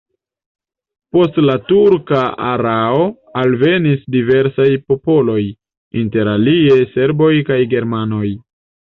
Post la turka erao alvenis diversaj popoloj, inter alie serboj kaj germanoj.